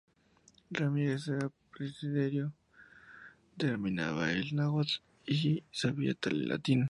Ramirez era presbítero, dominaba el náhuatl y sabía latín.